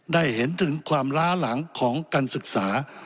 ได้เห็นถึงความล้าหลังของการศึกษา